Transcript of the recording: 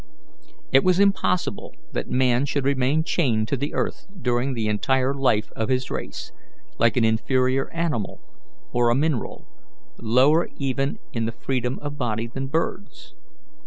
It was impossible that man should remain chained to the earth during the entire life of his race, like an inferior animal or a mineral, lower even in freedom of body than birds.